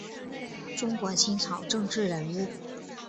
中国清朝政治人物。